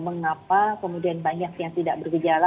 mengapa kemudian banyak yang tidak bergejala